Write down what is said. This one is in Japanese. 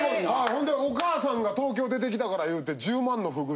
ほんでお母さんが東京出てきたから言うて１０万のフグ